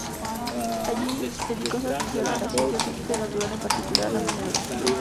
Allí, dedicó su atención a la ciencia física y natural, en particular, la mineralogía.